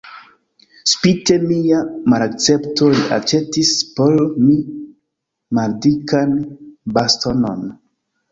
Spite mia malakcepto li aĉetis por mi maldikan bastonon.